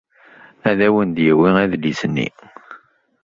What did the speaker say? Ad awen-d-yawi adlis-nni.